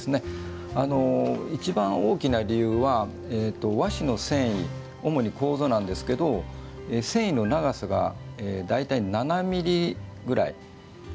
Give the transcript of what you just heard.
一番大きな理由は和紙の繊維、主に楮なんですけど繊維の長さが大体７ｍｍぐらい。